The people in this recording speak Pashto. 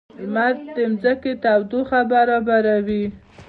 • لمر د ځمکې تودوخه برابروي.